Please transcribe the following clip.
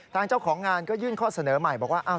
เจ้าของงานก็ยื่นข้อเสนอใหม่บอกว่า